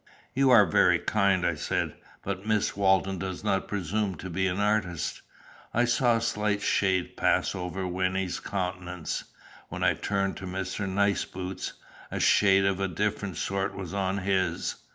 "You are very kind," I said; "but Miss Walton does not presume to be an artist." I saw a slight shade pass over Wynnie's countenance. When I turned to Mr. Niceboots, a shade of a different sort was on his.